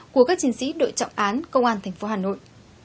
của các chiến sĩ đội trọng án công an thành phố hà nội